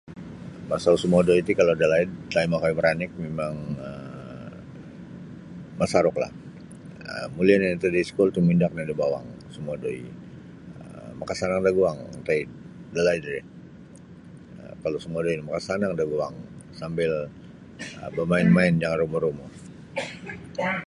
Pasal sumodoi ti kalau dalaid taim okoi maranik mimang um masaruklah um muli' oni' antad da iskul tumindak nio da bawang sumodoi um makasanang daguang ntai dalaid ri um kalau sumodoi no makasanang daguang sambil bamain-main jangan rumo-rumo.